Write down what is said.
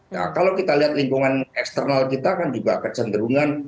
nah kalau kita lihat lingkungan eksternal kita kan juga kecenderungan